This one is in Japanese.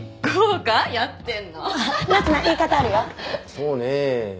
そうねえ。